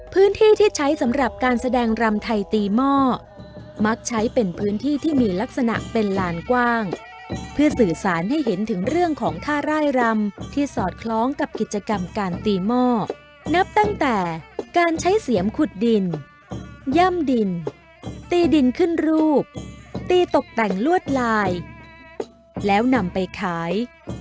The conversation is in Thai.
พื้นที่ที่ใช้สำหรับการแสดงรำไทยตีหม้อมักใช้เป็นพื้นที่ที่มีลักษณะเป็นลานกว้างเพื่อสื่อสารให้เห็นถึงเรื่องของท่าร่ายรำที่สอดคล้องกับกิจกรรมการตีหม้อนับตั้งแต่การใช้เสียมขุดดินย่ำดินตีดินขึ้นรูปตีตกแต่งลวดลายแล้วนำไปขาย